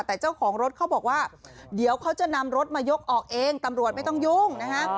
แต่เจ้าของรถเขาบอกว่าเดี๋ยวเขาจะนำรถมายกออกเองตำรวจไม่ต้องยุ่งนะฮะ